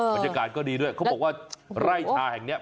บรรยากาศก็ดีด้วยเขาบอกว่าไร่ชาแห่งนี้